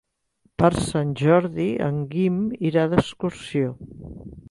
Per Sant Jordi en Guim irà d'excursió.